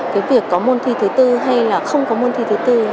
cái việc có môn thi thứ bốn hay là không có môn thi thứ bốn